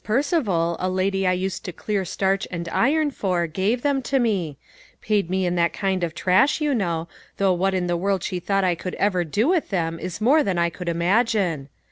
Percival, a lady I used to clear starch and iron for, gave them to me ; paid me in that kind of trash, you know, though what in the world she thought I could ever do with them is more than I could imagine.